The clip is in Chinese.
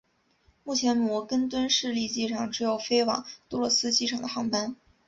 目前摩根敦市立机场只有飞往杜勒斯机场的航班。